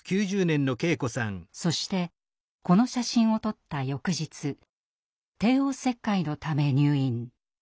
そしてこの写真を撮った翌日帝王切開のため入院。